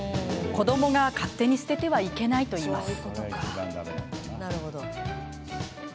子どもが勝手に捨ててはいけないといいます。